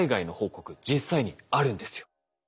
実際にあるんですよ。